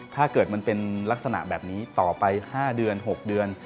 ถ้าเกิดมันเป็นลักษณะแบบนี้ต่อไป๕เดือน๖เดือน